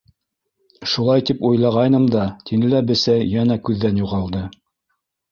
—Шулай тип уйлағайным да, —тине лә Бесәй йәнә күҙҙән юғалды.